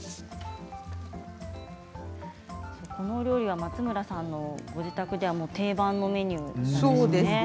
この料理は松村さんのお宅では定番のメニューなんですよね。